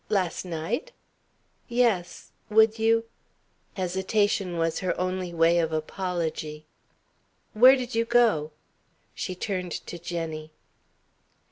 "Last night?" "Yes. Would you " Hesitation was her only way of apology. "Where did you go?" She turned to Jenny.